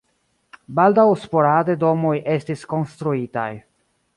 Baldaŭ sporade domoj estis konstruitaj.